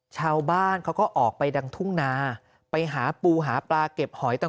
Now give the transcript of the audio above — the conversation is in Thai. ชาวบ้านเขาก็ออกไปดังทุ่งนาไปหาปูหาปลาเก็บหอยต่าง